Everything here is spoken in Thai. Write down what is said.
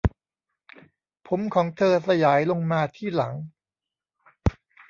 ผมของเธอสยายลงมาที่หลัง